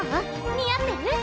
似合ってる？